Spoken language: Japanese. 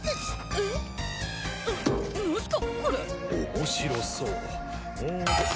面白そう。